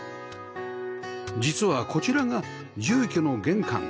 実はこちらが住居の玄関